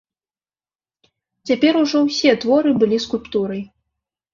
Цяпер ужо ўсе творы былі скульптурай.